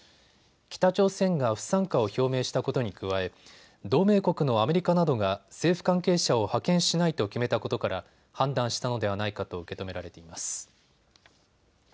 北朝鮮が不参加を表明したことに加え、同盟国のアメリカなどが政府関係者を派遣しないと決めたことから判断したのではないかと受け止められています。